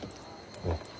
うん。